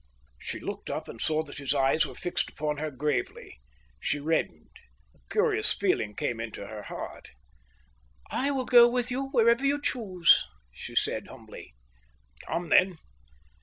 She looked up and saw that his eyes were fixed upon her gravely. She reddened. A curious feeling came into her heart. "I will go with you wherever you choose," she said humbly. "Come, then."